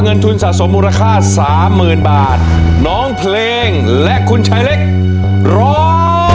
เงินทุนสะสมมูลค่าสามหมื่นบาทน้องเพลงและคุณชายเล็กร้อง